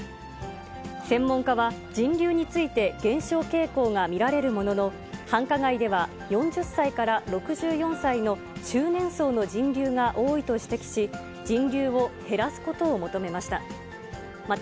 専門家は、人流について減少傾向が見られるものの、繁華街では４０歳から６４歳の中年層の人流が多いと指摘し、人流を減らすことを求めました。